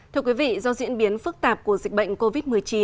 thưa quý vị do diễn biến phức tạp của dịch bệnh covid một mươi chín